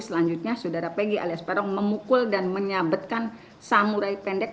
selanjutnya saudara pegg alias barong memukul dan menyabetkan samurai pendek